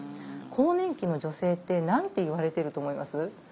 更年期の女性って何て言われてると思います？